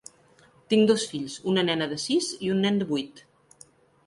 Tinc dos fills, una nena de sis i un nen de vuit.